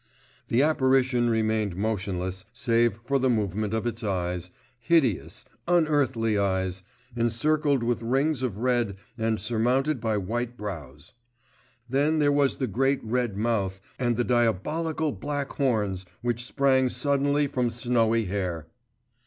The apparition remained motionless save for the movement of its eyes, hideous, unearthly eyes, encircled with rings of red and surmounted by white brows. Then there was the great red mouth and the diabolical black horns which sprang suddenly from snowy hair.